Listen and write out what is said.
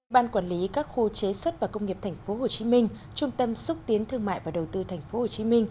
ban quản lý các khu chế xuất và công nghiệp tp hcm trung tâm xúc tiến thương mại và đầu tư tp hcm